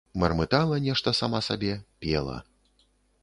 Мармытала нешта сама сабе, пела.